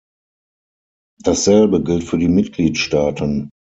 Dasselbe gilt für die Mitgliedstaaten.